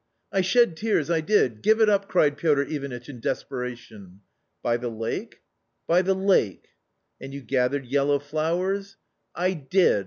" I shed tears, I did ! Give it up !" cried Piotr Ivanitch in desperation. "By the lake?" " By the lake ?"" And you gathered yellow flowers ?"" I did.